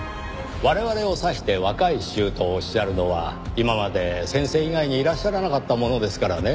我々を指して「若い衆」とおっしゃるのは今まで先生以外にいらっしゃらなかったものですからね